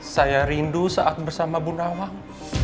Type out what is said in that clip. saya rindu saat bersama bu nawang